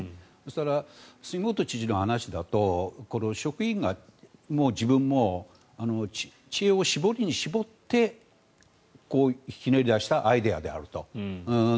すると、杉本知事の話だと職員が自分も知恵を絞るに絞ってひねり出したアイデアであると。